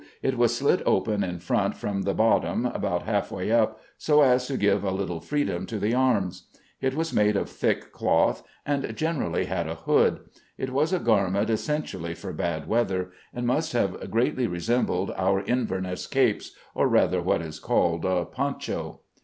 It was slit open in front from the bottom, about half way up, so as to give a little freedom to the arms. It was made of thick cloth, and generally had a hood. It was a garment essentially for bad weather, and must have greatly resembled our Inverness capes, or rather what is called a "poncho."